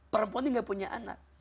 perempuan ini gak punya anak